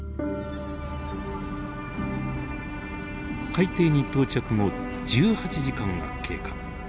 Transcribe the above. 海底に到着後１８時間が経過。